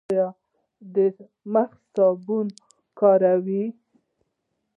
ایا د مخ صابون کاروئ؟